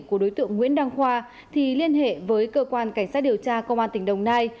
của đối tượng nguyễn đăng khoa thì liên hệ với cơ quan cảnh sát điều tra công an tỉnh đồng nai